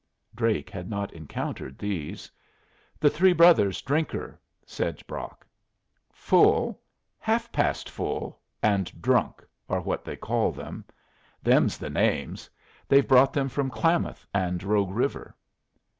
Drake had not encountered these. "The three brothers Drinker," said Brock. "Full, Half past Full, and Drunk are what they call them. Them's the names; they've brought them from Klamath and Rogue River."